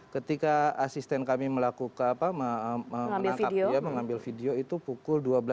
ketika asisten kami melakukan apa mengambil video itu pukul dua belas tiga puluh sembilan